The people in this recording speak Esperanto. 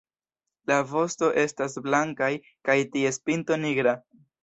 La vosto estas blankaj kaj ties pinto nigra.